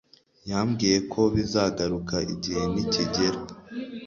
Yambwiye ko bizagaruka igihe ni kijyera.